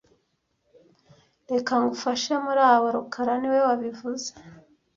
Reka ngufashe muri abo rukara niwe wabivuze